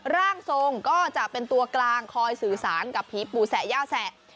ร่างทรงก็จะเป็นตัวกลางคอยสื่อสารกับผีปู่แสะย่าแสะ